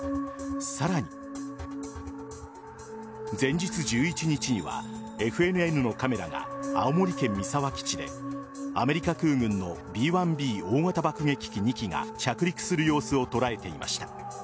さらに前日１１日にはＦＮＮのカメラが青森県三沢基地でアメリカ空軍のＢ‐１Ｂ大型爆撃機２機が着陸する様子を捉えていました。